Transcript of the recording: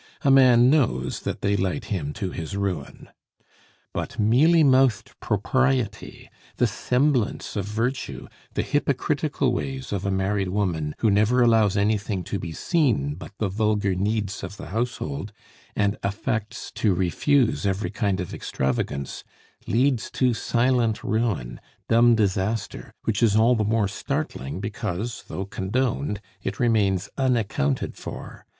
A man knows that they light him to his ruin. But mealy mouthed propriety, the semblance of virtue, the hypocritical ways of a married woman who never allows anything to be seen but the vulgar needs of the household, and affects to refuse every kind of extravagance, leads to silent ruin, dumb disaster, which is all the more startling because, though condoned, it remains unaccounted for.